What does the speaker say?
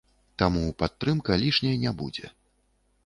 Таму падтрымка лішняй не будзе.